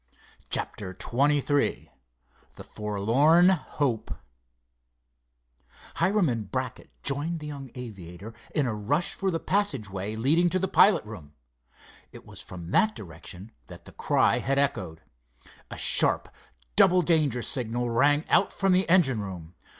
CHAPTER XXIII THE FORLORN HOPE Hiram and Brackett joined the young aviator in a rush for the passageway leading to the pilot room. It was from that direction that the cry had echoed. A sharp, double danger signal rang out from the engine room.